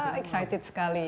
wah excited sekali